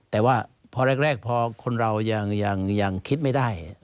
แต่ว่าพอแรกพอคนเรายังคิดไม่ได้